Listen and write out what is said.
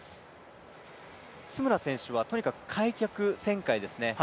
津村選手はとにかく開脚選手ですね。